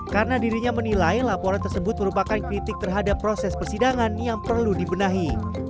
karena dirinya menilai laporan tersebut merupakan kritik terhadap proses persidangan yang perlu dibenahi